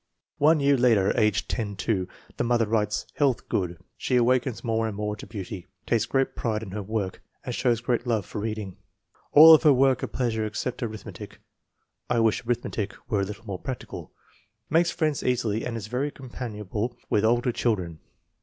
One year later, age 10 *. The mother writes: " Health good. She awakens more and more to beauty, takes great pride in her work, and shows great love for reading. All of her work a pleasure except arithmetic (I wish arithmetic were a little more practical). Makes friends easily and is very companionable with older children.